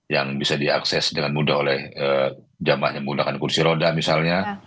yang bisa diakses dengan mudah oleh jemaah yang menggunakan kursi roda misalnya